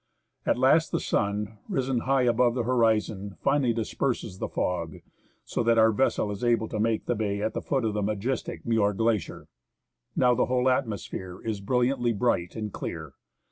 At last the sun, risen high above the horizon, finally disperses the fog, so that our vessel is able to make the bay at the foot of the majestic Muir Glacier, Now the whole atmosphere is brilliantly bright and clear.